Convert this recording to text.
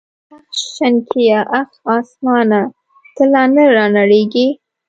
اخ شنکيه اخ اسمانه ته لا نه رانړېږې.